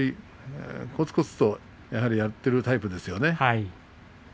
こつこつとやっているタイプですよね。